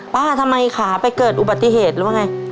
ป้าทำไมขาไปเกิดอุบัติเหตุหรือว่าไง